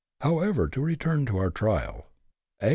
However, to return to our trial. A.